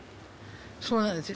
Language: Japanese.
そうなんです。